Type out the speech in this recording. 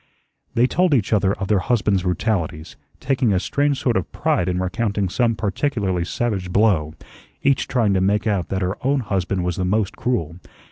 They told each other of their husbands' brutalities, taking a strange sort of pride in recounting some particularly savage blow, each trying to make out that her own husband was the most cruel.